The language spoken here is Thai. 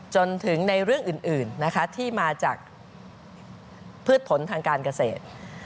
จนถึงในเรื่องอื่นนะคะที่มาจากพืชผลทางการเกษตร